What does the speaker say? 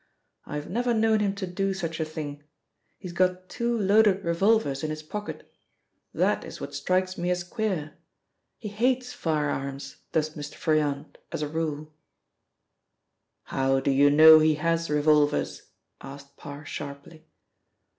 I've never known him to do such a thing. He's got two loaded revolvers in his pocket that is what strikes me as queer. He hates firearms, does Mr. Froyant, as a rule." "How do you know he has revolvers?" asked Parr sharply.